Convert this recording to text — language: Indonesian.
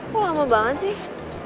kok lama banget sih